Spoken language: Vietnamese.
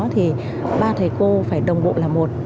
thì ba thầy cô phải đồng bộ là một